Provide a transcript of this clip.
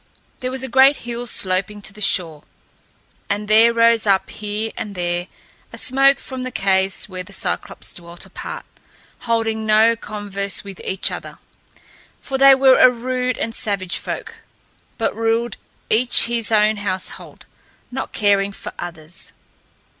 There was a great hill sloping to the shore, and there rose up here and there a smoke from the caves where the Cyclopes dwelt apart, holding no converse with each other, for they were a rude and savage folk, but ruled each his own household, not caring for others.